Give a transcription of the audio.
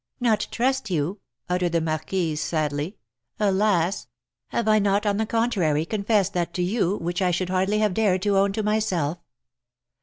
"Not trust you?" uttered the marquise, sadly; "alas! have I not on the contrary confessed that to you which I should hardly have dared to own to myself?"